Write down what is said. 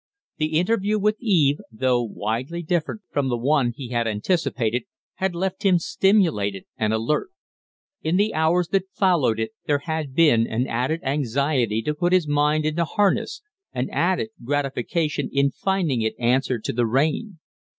The interview with Eve, though widely different from the one he had anticipated, had left him stimulated and alert. In the hours that followed it there had been an added anxiety to put his mind into harness, an added gratification in finding it answer to the rein.